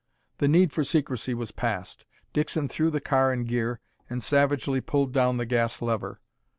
The need for secrecy was past. Dixon threw the car in gear and savagely pulled down the gas lever.